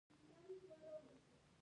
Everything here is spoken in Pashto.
د قدرت اړتیا هر څه بدلوي.